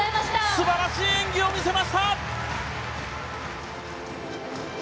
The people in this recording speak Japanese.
素晴らしい演技を見せました！